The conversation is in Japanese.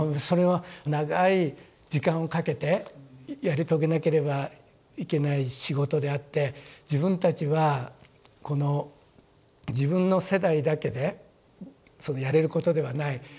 それは長い時間をかけてやり遂げなければいけない仕事であって自分たちはこの自分の世代だけでそのやれることではない。